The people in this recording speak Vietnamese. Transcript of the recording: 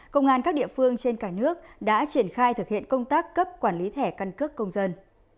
công an các địa phương trên cả nước đã triển khai thực hiện công tác cấp quản lý thẻ căn cước công dân